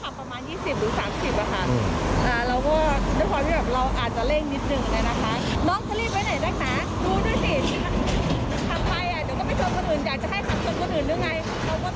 ขักประมาณ๒๐หรือ๓๐ภาษาคงแล้วว่าเราอาจจะเร่งนิดหนึ่งนะครับ